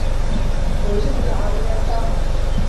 وَوَجَدَكَ عائِلًا فَأَغنى